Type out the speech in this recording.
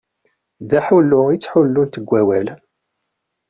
D aḥullu i ttḥullunt deg wawal.